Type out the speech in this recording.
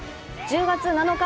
１０月７日